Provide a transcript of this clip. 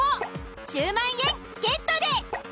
１０万円ゲットです。